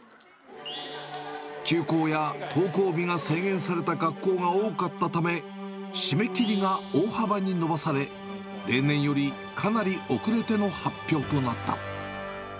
休校や登校日が制限された学校が多かったため、締め切りが大幅に延ばされ、例年よりかなり遅れての発表となった。